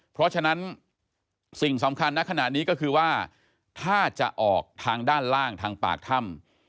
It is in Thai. เพราะฉะนั้นสิ่งสำคัญในขณะนี้ก็คือว่าถ้าจะออกทางด้านล่างทางปากถ้ำ